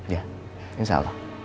ya insya allah